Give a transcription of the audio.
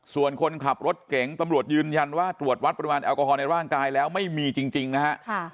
ส่วนคนขับรถเก๋งตำรวจยืนยันว่าตรวจวัดปริมาณแอลกอฮอลในร่างกายแล้วไม่มีจริงนะฮะ